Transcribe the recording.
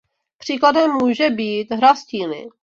Příkladem může být hra Stíny.